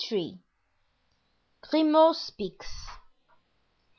Grimaud Speaks.